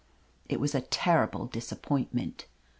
It was a terrible disappointment.